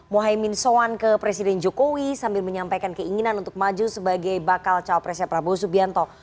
mohaimin soan ke presiden jokowi sambil menyampaikan keinginan untuk maju sebagai bakal cawapresnya prabowo subianto